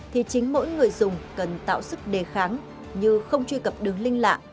thì chính mỗi người dùng cần tạo sức đề kháng như không truy cập đường link lạ